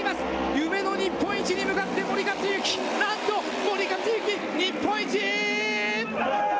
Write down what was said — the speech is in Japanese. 夢の日本一に向かって森且行、なんと、森且行、日本一！